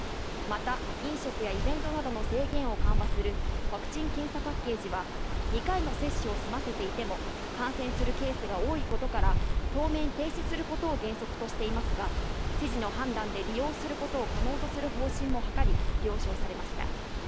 また、飲食やイベントなどの制限を緩和するワクチン・検査パッケージは２回の接種を済ませていても感染するケースが多いことから、当面、停止することを原則としていますが、知事の判断で利用することを可能とする方針も図り、了承されました。